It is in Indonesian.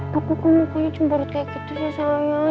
tapi kok mukanya cemberut kayak gitu sayang